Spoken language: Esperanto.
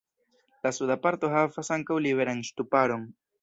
La suda parto havas ankaŭ liberan ŝtuparon.